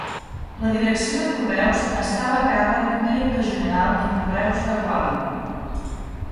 La direcció de correus estava a càrrec d'un director general de correus de Gwalior.